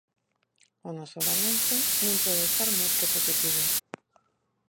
O noso balance non pode ser máis que positivo.